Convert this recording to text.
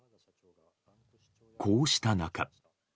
こうした中。